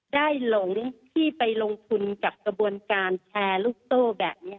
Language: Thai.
หลงที่ไปลงทุนกับกระบวนการแชร์ลูกโซ่แบบนี้